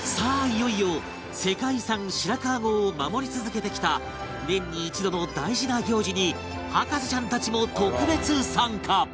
いよいよ世界遺産白川郷を守り続けてきた年に一度の大事な行事に博士ちゃんたちも特別参加